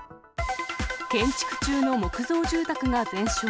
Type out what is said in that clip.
建築中の木造住宅が全焼。